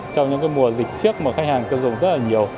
trong những mùa dịch trước mà khách hàng tiêu dùng rất là nhiều